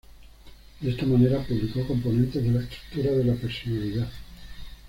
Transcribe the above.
De esta manera publicó "Componentes de la Estructura de la Personalidad".